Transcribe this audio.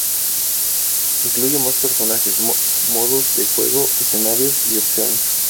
Incluye más personajes, modos de juego, escenarios y opciones.